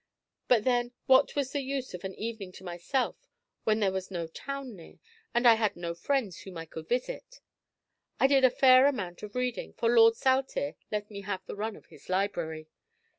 But then what was the use of an evening to myself when there was no town near, and I had no friends whom I could visit? I did a fair amount of reading, for Lord Saltire let me have the run of his library.